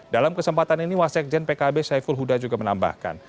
dalam kesempatan ini wasekjen pkb saiful huda juga menambahkan